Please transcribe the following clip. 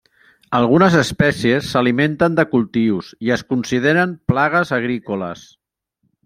Algunes espècies s'alimenten de cultius i es consideren plagues agrícoles.